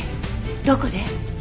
どこで？